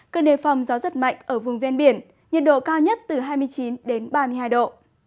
cần đề phòng gió rất mạnh ở vùng ven biển nhiệt độ cao nhất từ hai mươi chín ba mươi hai độ